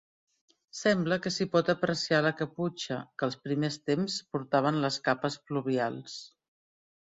Sembla que s'hi pot apreciar la caputxa, que als primers temps portaven les capes pluvials.